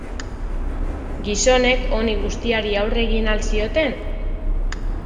Gizonek honi guztiari aurre egin al zioten?